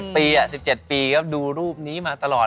๑๗ปีอ่ะ๑๗ปีครับดูรูปนี้มาตลอด